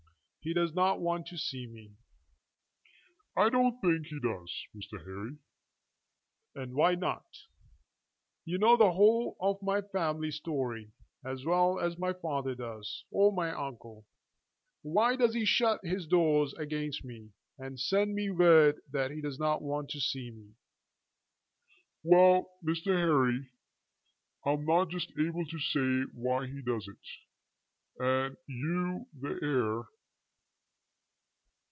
He does not want to see me." "I don't think he does, Mr. Harry." "And why not? You know the whole of my family story as well as my father does, or my uncle. Why does he shut his doors against me, and send me word that he does not want to see me?" "Well Mr. Harry, I'm not just able to say why he does it, and you the heir.